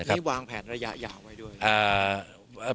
มีวางแผนระยะยาวไว้ด้วย